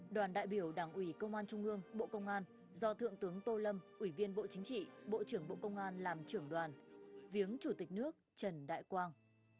đoàn đại biểu đảng ủy công an trung ương bộ công an do thượng tướng tô lâm ủy viên bộ chính trị bộ trưởng bộ công an làm trưởng đoàn viếng chủ tịch nước trần đại quang